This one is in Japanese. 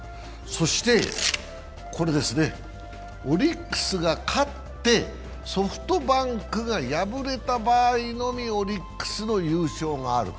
そして、オリックスが勝って、ソフトバンクが敗れた場合のみオリックスの優勝がある。